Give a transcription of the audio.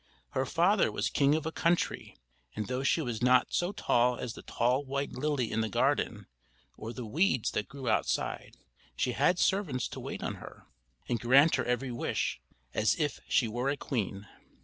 Her father was king of a country; and though she was not so tall as the tall white lily in the garden, or the weeds that grew outside, she had servants to wait on her, and grant her every wish, as if she were a queen.